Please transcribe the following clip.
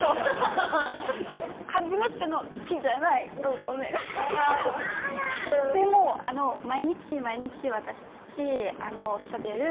初めての好きじゃないごめんあらでも毎日毎日私たちしゃべる